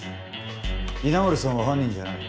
稲森さんは犯人じゃない。